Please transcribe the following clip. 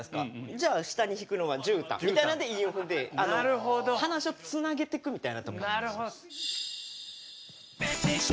じゃあ下に敷くのは「じゅうたん」みたいなので韻を踏んで話をつなげていくみたいな。